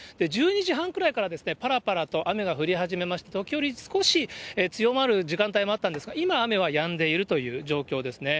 １２時半くらいからぱらぱらと雨が降り始めまして、時折少し強まる時間帯もあったんですが、今、雨はやんでいるという状況ですね。